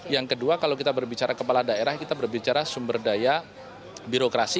yang kedua kalau kita berbicara kepala daerah kita berbicara sumber daya birokrasi